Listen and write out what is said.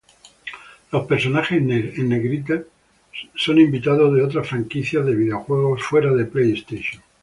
Los personajes en negrita son invitados de otras franquicias de videojuegos fuera de Playstation.